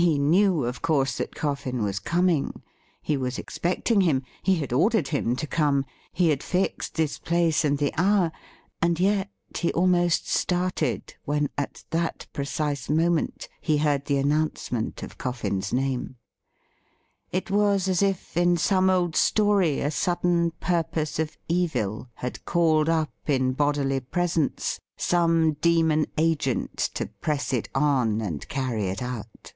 He knew, of course, that Coffin was coming ; he was ex pecting him, he had ordered him to come, he had fixed this place and the hour, and yet he almost started when at that precise moment he heard the announcement of Coffin's name. It was as if in some old story a sudden purpose of evil had called up in bodily presence some demon agent to press it on and carry it out.